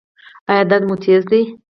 ایا درد مو تېز دی؟